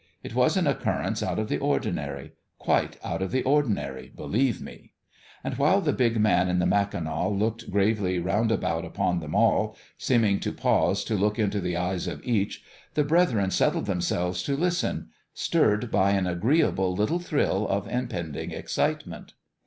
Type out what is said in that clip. It was an occurrence out of the or dinary quite out of the ordinary, believe me. And while the big man in the mackinaw looked gravely roundabout upon them all, seeming to /N HIS OWN BEHALF 339 pause to look into the eyes of each, the brethren settled themselves to listen, stirred by an agree able little thrill of impending excitement.